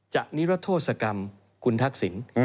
จะนิรัตโทษกรรมคุณทักษิง